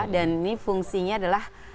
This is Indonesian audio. dan ini fungsinya adalah